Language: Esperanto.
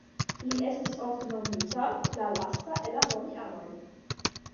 Li estis ofte nomita "la lasta el la Romianoj".